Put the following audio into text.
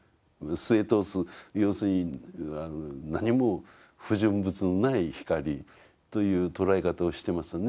すえ通す要するに何も不純物のない光という捉え方をしてますよね。